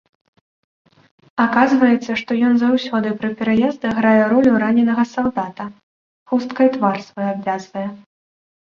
Аказваецца, што ён заўсёды пры пераездах грае ролю раненага салдата, хусткай твар свой абвязвае.